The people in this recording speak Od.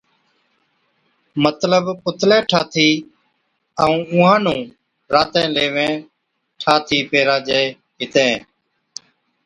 مطلب پُتلَي ٺاهٿِي ائُون اُونھان نُون راتين ليويين ٺاٿِي پِھِراجي ھِتين